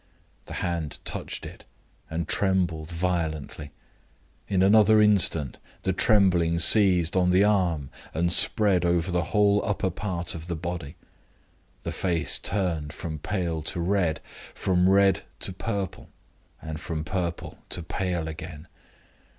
The hand touched it, and trembled violently. In another instant the trembling seized on the arm, and spread over the whole upper part of the body. The face turned from pale to red, from red to purple, from purple to pale again.